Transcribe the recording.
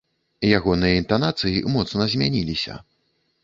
Ягоныя інтанацыі моцна змяніліся.